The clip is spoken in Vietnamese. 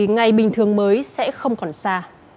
ngày bình thường mới sẽ không còn xa